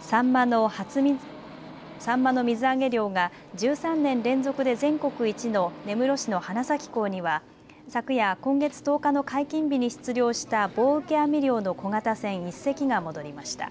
サンマの水揚げ量が１３年連続で全国一の根室市の花咲港には昨夜、今月１０日の解禁日に出漁した棒受け網漁の小型船１隻が戻りました。